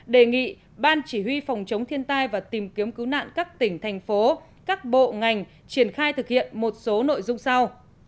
đề nghị ban chỉ huy phòng chống thiên tai và tìm kiếm cứu nạn các tỉnh thành phố các bộ ngành triển khai thực hiện một số nội dung sau